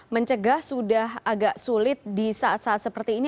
mencegah sudah agak sulit di saat saat seperti ini